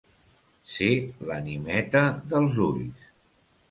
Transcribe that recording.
Ser l'animeta dels ulls.